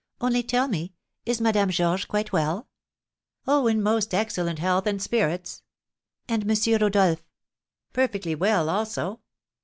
Only tell me, is Madame Georges quite well?" "Oh, in most excellent health and spirits!" "And M. Rodolph?" "Perfectly well, also."